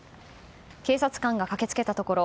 警察官が駆け付けたところ